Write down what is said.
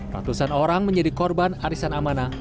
ratusan orang menjadi korban arisan amanah